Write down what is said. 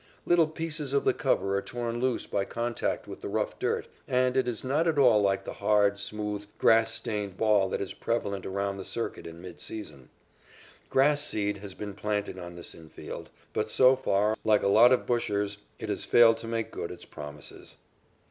Little pieces of the cover are torn loose by contact with the rough dirt, and it is not at all like the hard, smooth, grass stained ball that is prevalent around the circuit in mid season. Grass seed has been planted on this infield, but so far, like a lot of bushers, it has failed to make good its promises.